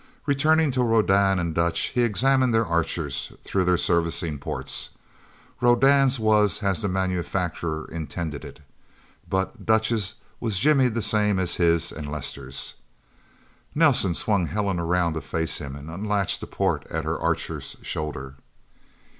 Returning to Rodan and Dutch, he examined their Archers through their servicing ports. Rodan's was as the manufacturer intended it. But Dutch's was jimmied the same as his and Lester's. Nelsen swung Helen around to face him, and unlatched a port at her Archer's shoulder.